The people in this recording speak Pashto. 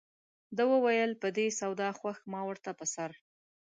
ده وویل په دې سودا خوښ ما ورته په سر.